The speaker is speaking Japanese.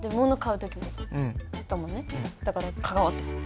だから関わってます。